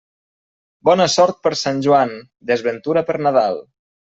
Bona sort per Sant Joan, desventura per Nadal.